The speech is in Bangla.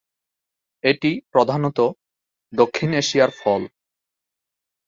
এটি প্রধানত দক্ষিণ এশিয়ার ফল।